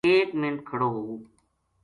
ایک منٹ کھڑو ہو